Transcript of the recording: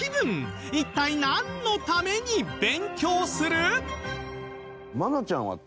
一体なんのために勉強する？